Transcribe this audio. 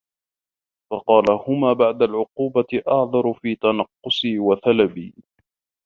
فَقَالَ هُمَا بَعْدَ الْعُقُوبَةِ أَعْذَرُ فِي تَنَقُّصِي وَثَلْبِي